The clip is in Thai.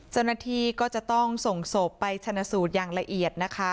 เจ้าหน้าที่ก็จะต้องส่งศพไปชนะสูตรอย่างละเอียดนะคะ